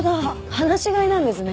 放し飼いなんですね。